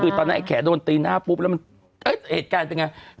คือตอนนั้นไอแขโดนตีหน้าปุ๊บแล้วมันเหตุการณ์เป็นไง